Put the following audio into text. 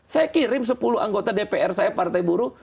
saya kirim sepuluh anggota dpr saya partai buruh